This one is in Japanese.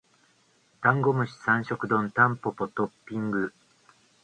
ダンゴムシ三食丼タンポポトッピング